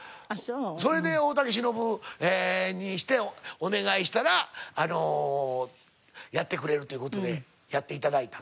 それで大竹しのぶにしてお願いしたらやってくれるという事でやって頂いた。